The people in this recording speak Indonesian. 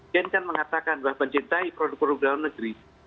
dia kan mengatakan bahwa mencintai produk produk daun negeri